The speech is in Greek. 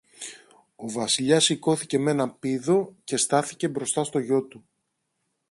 Ο Βασιλιάς σηκώθηκε μ' έναν πήδο και στάθηκε μπροστά στο γιο του